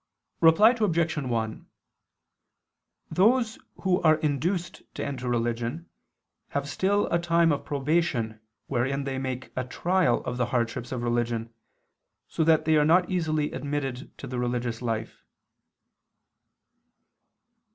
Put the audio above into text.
Reply Obj. 1: Those who are induced to enter religion have still a time of probation wherein they make a trial of the hardships of religion, so that they are not easily admitted to the religious life.